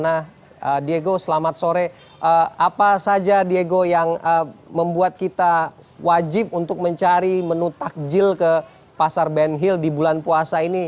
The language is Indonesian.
nah diego selamat sore apa saja diego yang membuat kita wajib untuk mencari menu takjil ke pasar ben hill di bulan puasa ini